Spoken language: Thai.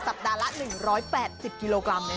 ปัดละ๑๘๐กิโลกรัมเลยนะ